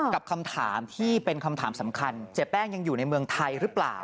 กับคำถามที่เป็นคำถามสำคัญเสียแป้งยังอยู่ในเมืองไทยหรือเปล่า